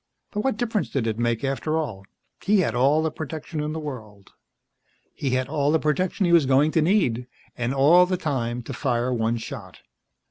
But what difference did it make, after all? He had all the protection in the world. He had all the protection he was going to need. And all the time to fire one shot.